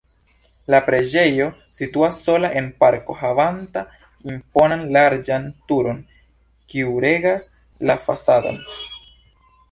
La preĝejo situas sola en parko havanta imponan larĝan turon, kiu regas la fasadon.